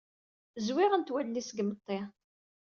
Zwiɣent wallen-is seg imeṭṭi.